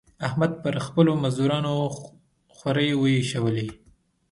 احمد پر خپلو مزدورانو خورۍ واېشولې.